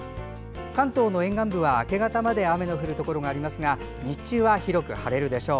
関東の沿岸部は、明け方まで雨の降るところがありますが日中は広く晴れるでしょう。